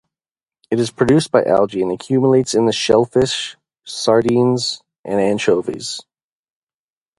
It is produced by algae and accumulates in shellfish, sardines, and anchovies.